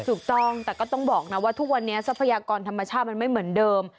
ถูกต้องแต่ก็ต้องบอกนะว่าทุกวันนี้ทรัพยากรธรรมชาติมันไม่เหมือนเดิม